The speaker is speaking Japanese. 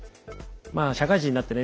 まあ社会人になってね